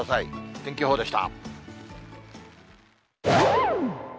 天気予報でした。